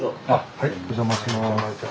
はいお邪魔します。